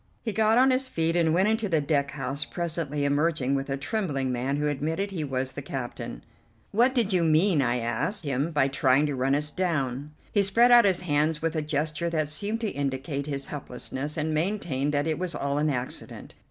He got on his feet and went into the deck house, presently emerging with a trembling man who admitted he was the captain. "What did you mean," I asked him, "by trying to run us down?" He spread out his hands with a gesture that seemed to indicate his helplessness, and maintained that it was all an accident.